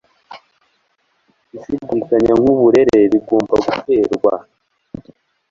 Gushidikanya nkuburere bigomba guterwa